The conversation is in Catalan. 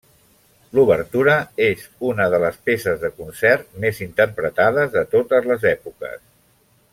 L'obertura és en una de les peces de concert més interpretades de totes les èpoques.